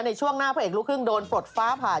ในช่วงหน้าพระเอกลูกครึ่งโดนปลดฟ้าผ่าน